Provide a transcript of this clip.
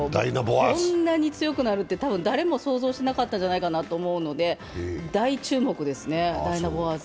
こんなに強くなるってたぶん誰も想像しなかったんじゃないかなと思うので大注目ですね、ダイナボアーズ。